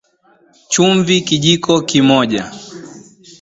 Chumvi Kijiko cha moja